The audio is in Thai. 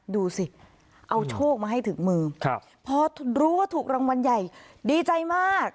ดูสิเอาโชคมาให้ถึงมือพอรู้ว่าถูกรางวัลใหญ่ดีใจมาก